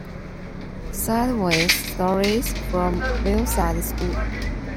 Sideways Stories from Wayside School.